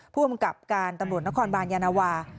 ภูมิกับการตำรวจนครบานยานะวา